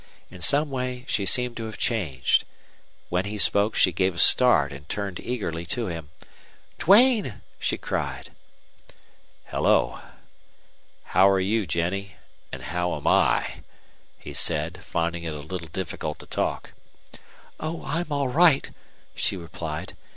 In some way she seemed to have changed. When he spoke she gave a start and turned eagerly to him. "Duane!" she cried. "Hello. How're you, Jennie, and how am I?" he said, finding it a little difficult to talk. "Oh, I'm all right," she replied.